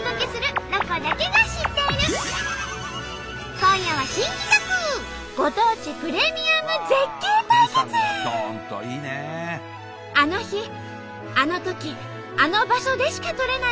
今夜はあの日あの時あの場所でしか撮れない